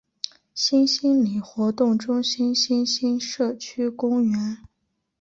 新兴里活动中心新兴社区公园